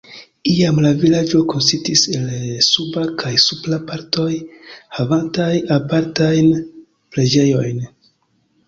Iam la vilaĝo konsistis el "Suba" kaj "Supra" partoj, havantaj apartajn preĝejojn.